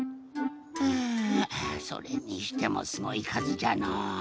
はぁそれにしてもすごいかずじゃのう。